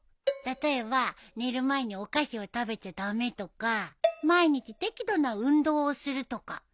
例えば寝る前にお菓子を食べちゃ駄目とか毎日適度な運動をするとか。